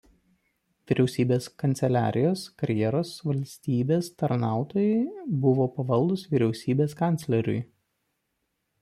Vyriausybės kanceliarijos karjeros valstybės tarnautojai buvo pavaldūs Vyriausybės kancleriui.